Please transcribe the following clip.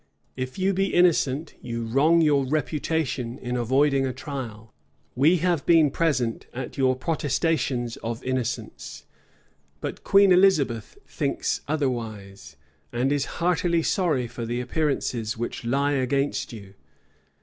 If you be innocent, you wrong your reputation in avoiding a trial. We have been present at your protestations of innocence; but Queen Elizabeth thinks otherwise, and is heartily sorry for the appearances which lie against you.